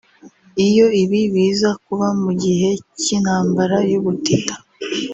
Iyo ibi biza kuba mu gihe cy’intambara y’ubutita